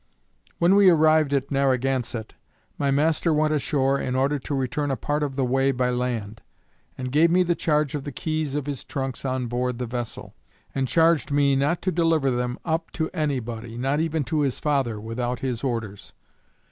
When we arrived at Narragansett, my master went ashore in order to return a part of the way by land, and gave me the charge of the keys of his trunks on board the vessel, and charged me not to deliver them up to any body, not even to his father without his orders.